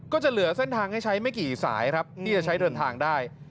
ก็จะเหลือเส้นทางให้ใช้ไม่กี่สายครับที่จะใช้เดินทางได้